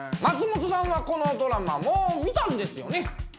松本さんはこのドラマもう見たんですよね？